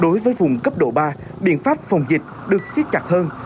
đối với vùng cấp độ ba biện pháp phòng dịch được xiết chặt hơn